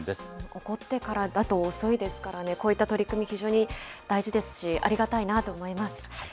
起こってからだと遅いですからね、こういった取り組み、非常に大事ですし、ありがたいなと思います。